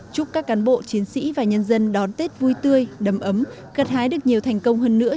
chúc các cán bộ chiến sĩ và nhân dân đón tết vui tươi đầm ấm gặt hái được nhiều thành công hơn nữa